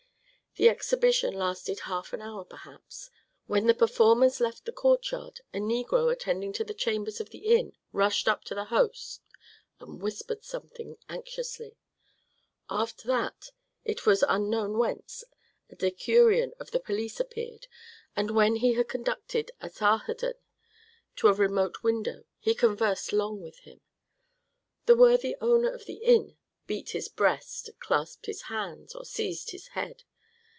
The exhibition lasted half an hour perhaps. When the performers left the courtyard, a negro attending to the chambers of the inn rushed up to the host and whispered something anxiously. After that, it was unknown whence, a decurion of the police appeared, and when he had conducted Asarhadon to a remote window, he conversed long with him. The worthy owner of the inn beat his breast, clasped his hands, or seized his head.